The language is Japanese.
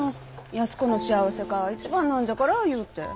安子の幸せが一番なんじゃから言うて。